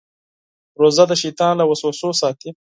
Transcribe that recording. روژه د شیطان له وسوسو ساتي.